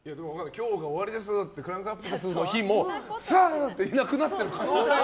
今日が終わりですってクランクアップの日もサーっていなくなってる可能性は。